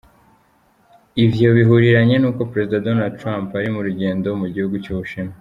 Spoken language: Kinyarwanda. Ivyo bihuriranye nuko Perezida Donald Trump ari mu rugendo mu gihugu c'Ubushinwa.